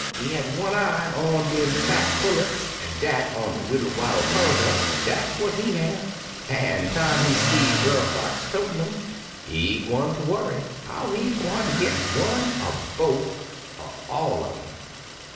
He had one eye on dem fat pullets an' dat ol' Widdle Waddle Puddle Duck, dat 's what he had, an' time he see Brer Fox totin' um, he 'gun ter worry how he gwineter git one er bofe, or all un um.